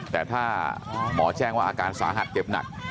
แต่ถ้าหมอแจ้งว่าอาการสาหัสเจ็บหนัก